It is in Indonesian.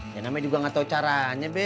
ya namanya juga gak tau caranya be